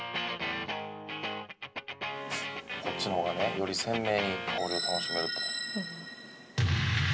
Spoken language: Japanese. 「こっちの方がねより鮮明に香りを楽しめると」